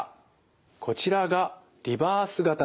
こちらがリバース型です。